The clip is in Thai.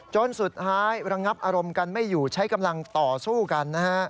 จนสุดท้ายระงับอารมณ์กันไม่อยู่ใช้กำลังต่อสู้กันนะฮะ